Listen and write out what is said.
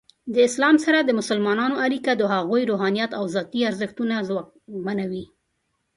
د اسلام سره د مسلمانانو اړیکه د هغوی روحانیت او ذاتی ارزښتونه ځواکمنوي.